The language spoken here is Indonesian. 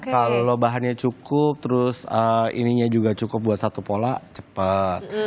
kalau bahannya cukup terus ininya juga cukup buat satu pola cepat